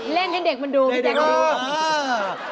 เล่นให้เด็กมันดูพี่จังเล่นดู